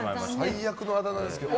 最悪のあだ名ですけれども。